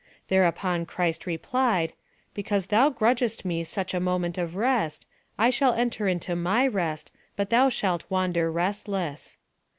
Thereupon Christ replied, 'Because thou grudgest Me such a moment of rest, I shall enter into My rest, but thou shalt wander restless.'